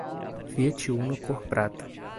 Fiat Uno cor prata.